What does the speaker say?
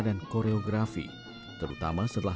dan koreografi terutama setelah